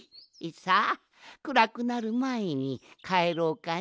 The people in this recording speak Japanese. さあくらくなるまえにかえろうかの。